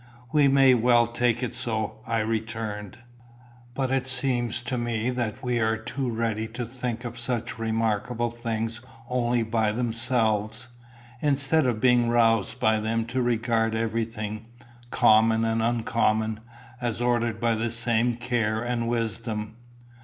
"We may well take it so," I returned. "But it seems to me that we are too ready to think of such remarkable things only by themselves, instead of being roused by them to regard everything, common and uncommon, as ordered by the same care and wisdom."